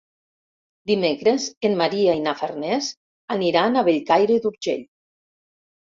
Dimecres en Maria i na Farners aniran a Bellcaire d'Urgell.